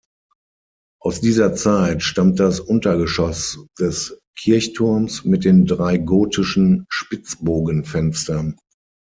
Aus dieser Zeit stammt das Untergeschoss des Kirchturms mit den drei gotischen Spitzbogenfenstern.